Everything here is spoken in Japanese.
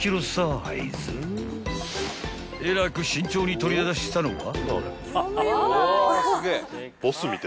［えらく慎重に取り出したのは］